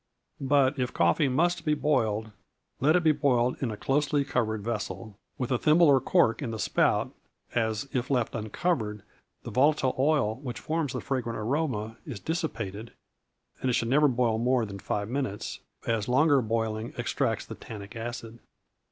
But if coffee must be boiled, let it be boiled in a closely covered vessel, with a thimble or cork in the spout, as, if left uncovered, the volatile oil which forms the fragrant aroma is dissipated; and it should never boil more than five minutes, as longer boiling extracts the tannic acid.